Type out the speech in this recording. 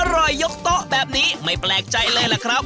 ยกโต๊ะแบบนี้ไม่แปลกใจเลยล่ะครับ